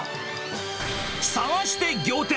探して仰天！